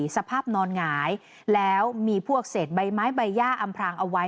สภาพนอนหงายแล้วมีพวกเศษใบไม้ใบย่าอำพรางเอาไว้